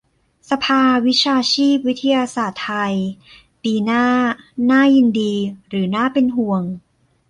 "สภาวิชาชีพวิทยาศาสตร์ไทย" ปีหน้า - น่ายินดีหรือน่าเป็นห่วง ?